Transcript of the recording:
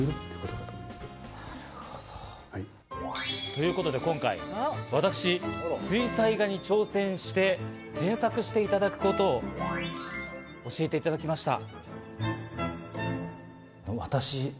ということで今回、私、水彩画に挑戦して、添削していただくことを教えていただきました。